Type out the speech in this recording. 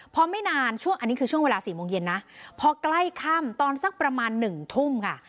พอไม่นานช่วงอันนี้คือช่วงเวลา๔โมงเย็นนะพอใกล้ค่ำตอนสักประมาณหนึ่งทุ่มค่ะ